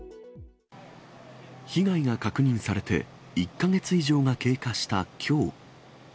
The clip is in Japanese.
被害が確認されて１か月以上が経過したきょう。